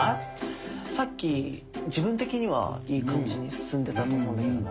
さっき自分的にはいい感じに進んでたと思うんだけどなんか。